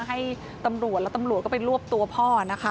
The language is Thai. ให้ตำรวจแล้วตำรวจก็ไปรวบตัวพ่อนะคะ